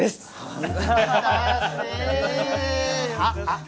あっ！